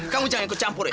kamu jangan kecampurin